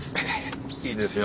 いいですよ。